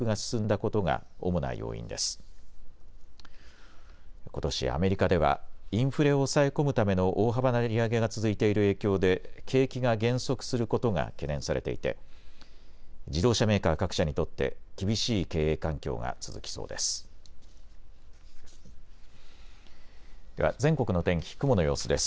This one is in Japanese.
ことしアメリカではインフレを抑え込むための大幅な利上げが続いている影響で景気が減速することが懸念されていて自動車メーカー各社にとって厳しい経営環境が続きそうです。